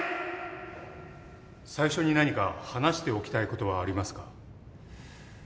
最初に何か話しておきたいことはありますか？